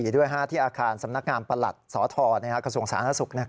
ด้วยที่อาคารสำนักงานประหลัดสทกระทรวงสาธารณสุข